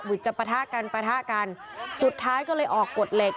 วิจัยประทากันสุดท้ายก็เลยออกกฎเหล็ก